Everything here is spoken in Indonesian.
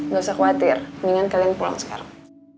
gak usah khawatir mendingan kalian pulang sekarang